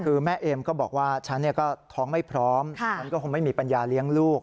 คือแม่เอมก็บอกว่าฉันก็ท้องไม่พร้อมฉันก็คงไม่มีปัญญาเลี้ยงลูก